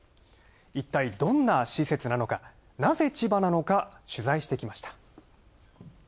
いったい、どんな施設なのか、なぜ千葉なのか、取材してきました。